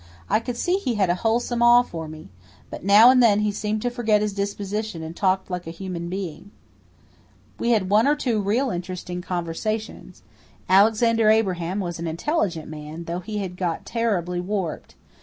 I could see he had a wholesome awe for me. But now and then he seemed to forget his disposition and talked like a human being. We had one or two real interesting conversations. Alexander Abraham was an intelligent man, though he had got terribly warped.